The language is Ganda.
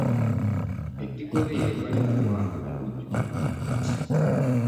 Edigobe baalituwa mu bujjuvu.